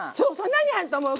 何入ると思う？